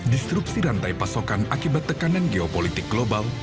disrupsi rantai pasokan akibat tekanan geopolitik global